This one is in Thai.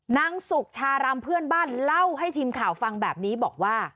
นางสุชารำเพื่อนบ้านเล่าให้ทีมข่าวฟังแบบนี้บอกว่า